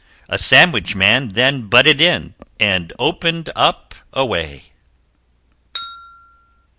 A Sandwich man then butted in And opened up a way!